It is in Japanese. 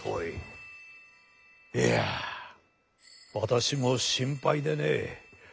いや私も心配でねぇ。